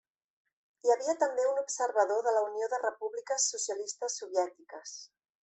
Hi havia també un observador de la Unió de Repúbliques Socialistes Soviètiques.